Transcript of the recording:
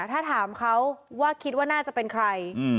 ถ้าถามเขาว่าคิดว่าน่าจะเป็นใคร